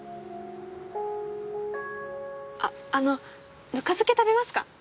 あっあのぬか漬け食べますか？